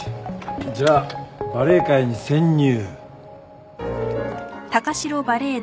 じゃあバレエ界に潜入。